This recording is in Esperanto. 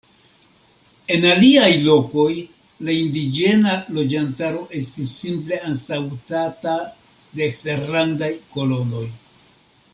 En aliaj lokoj, la indiĝena loĝantaro estis simple anstataŭata de eksterlandaj kolonoj.